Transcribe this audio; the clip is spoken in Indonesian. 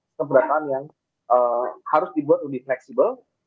sistem pendataan yang harus dibuat lebih fleksibel